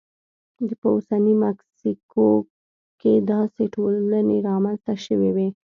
په اوسنۍ مکسیکو کې داسې ټولنې رامنځته شوې وې.